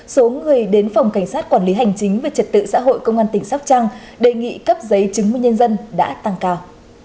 số người đến phòng cảnh sát quản lý hành chính về trật tự xã hội công an tỉnh sóc trăng đề nghị cấp giấy chứng minh nhân dân đã tăng cao